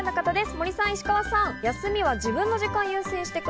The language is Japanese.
森さん、石川さん。